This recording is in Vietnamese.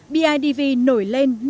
bidv nổi lên như